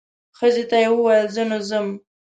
ښځې ته یې وویل زه نو ځم.